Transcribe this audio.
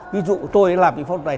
ví dụ tôi làm vi phẫu thuật này